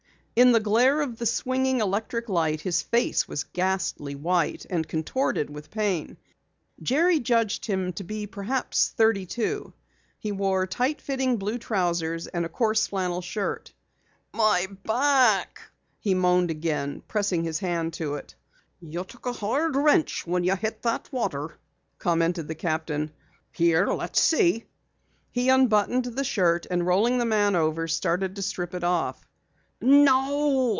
In the glare of the swinging electric light his face was ghastly white and contorted with pain. Jerry judged him to be perhaps thirty two. He wore tight fitting blue trousers and a coarse flannel shirt. "My back," he moaned again, pressing his hand to it. "You took a hard wrench when you hit the water," commented the captain. "Here, let's see." He unbuttoned the shirt, and rolling the man over, started to strip it off. "No!"